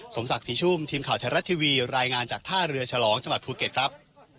สมศักดิ์ศรีชุ่มทีมข่าวไทยรัฐทีวีรายงานจากท่าเรือฉลองจังหวัดภูเก็ตครับ